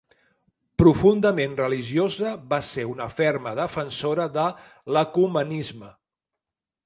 Profundament religiosa, va ser una ferma defensora de l'ecumenisme.